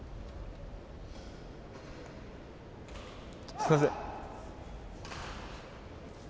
すみません。